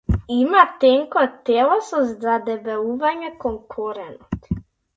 Има тенко тело со задебелување кон коренот.